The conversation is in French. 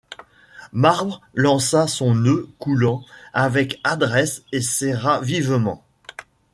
Marbre lança son nœud coulant avec adresse et serra vivement.